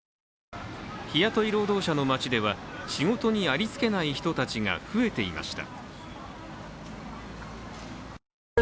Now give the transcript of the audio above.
日雇い労働者の街では仕事にありつけない人が増えてきていました。